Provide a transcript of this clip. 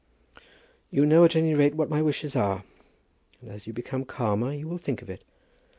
"You know at any rate what my wishes are, and as you become calmer you will think of it.